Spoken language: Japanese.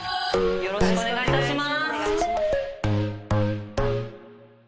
よろしくお願いします。